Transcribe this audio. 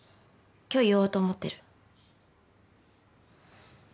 今日言おうと思ってる。